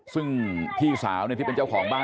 ซึ่งพี่สาวที่เป็นเจ้าของบ้าน